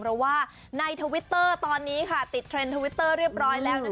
เพราะว่าในทวิตเตอร์ตอนนี้ค่ะติดเทรนด์ทวิตเตอร์เรียบร้อยแล้ว